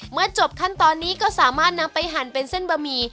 เมื่อจบขั้นตอนนี้ก็สามารถนำไปหั่นเป็นเส้นบะหมี่